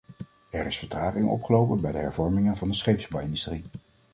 Er is vertraging opgelopen bij de hervormingen van de scheepsbouwindustrie.